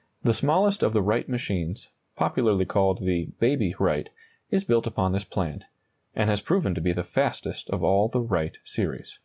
] The smallest of the Wright machines, popularly called the "Baby Wright," is built upon this plan, and has proven to be the fastest of all the Wright series.